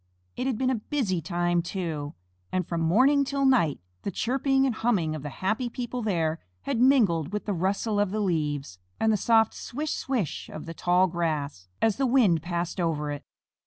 It had been a busy time, too, and from morning till night the chirping and humming of the happy people there had mingled with the rustle of the leaves, and the soft "swish, swish," of the tall grass, as the wind passed over it.